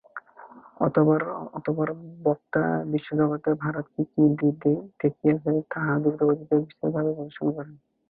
অতঃপর বক্তা বিশ্বজগতে ভারত কি কি দিয়াছে, তাহা দ্রুতগতিতে বিস্তারিতভাবে প্রদর্শন করেন।